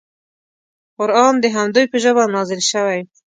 قران د همدوی په ژبه نازل شوی.